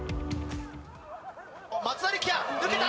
松田力也、抜けた！